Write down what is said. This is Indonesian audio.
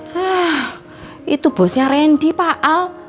hah itu bosnya randy pak al